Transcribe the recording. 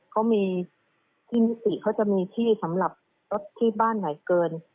เขามีที่นิติเขาจะมีที่สำหรับรถที่บ้านไหนเกิน